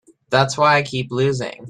That's why I keep losing.